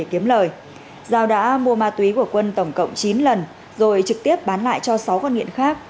kiếm lời giao đã mua ma túy của quân tổng cộng chín lần rồi trực tiếp bán lại cho sáu con nghiện khác